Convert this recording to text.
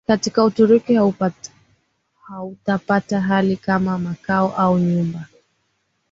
Katika Uturuki hautapata hali kama makao au nyumba